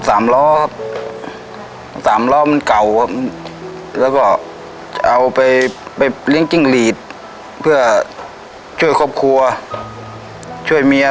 สามล้อสามล้อมันเก่าครับแล้วก็เอาไปไปเลี้ยงจิ้งหลีดเพื่อช่วยครอบครัวช่วยเมีย